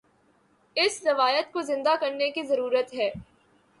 اس روایت کو زندہ کرنے کی ضرورت ہے۔